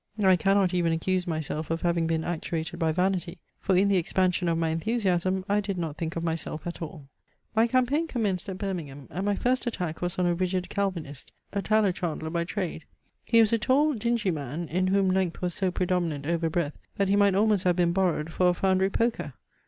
I cannot even accuse myself of having been actuated by vanity; for in the expansion of my enthusiasm I did not think of myself at all. My campaign commenced at Birmingham; and my first attack was on a rigid Calvinist, a tallow chandler by trade. He was a tall dingy man, in whom length was so predominant over breadth, that he might almost have been borrowed for a foundery poker.